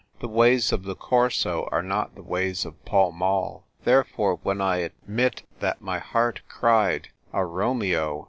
The ways of the Corso are not the ways of Pall Mall. Therefore, when I admit that my heart cried " A Romeo